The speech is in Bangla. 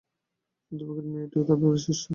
অধ্যাপকের মেয়েটিও তার বাপেরই শিষ্যা।